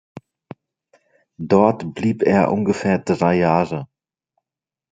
Dort blieb er ungefähr drei Jahre.